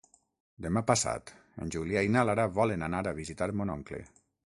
Demà passat en Julià i na Lara volen anar a visitar mon oncle.